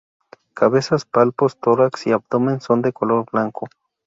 Cabeza, palpos, tórax y abdomen son de color blanco.